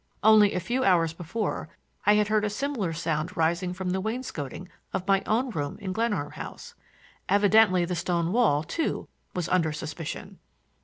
Only a few hours before I had heard a similar sound rising from the wainscoting of my own room in Glenarm House. Evidently the stone wall, too, was under suspicion!